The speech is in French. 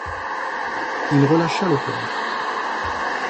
Il relâcha le père.